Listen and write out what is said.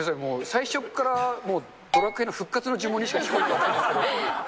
最初からもう、ドラクエの復活の呪文にしか聞こえなかったんですけど。